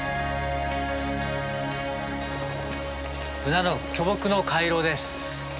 ブナの巨木の回廊です。